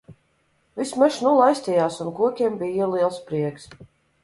Viss mežs nu laistījās un kokiem bija liels prieks.